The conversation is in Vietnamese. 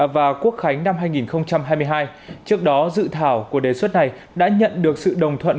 và quốc khánh năm hai nghìn hai mươi hai trước đó dự thảo của đề xuất này đã nhận được sự đồng thuận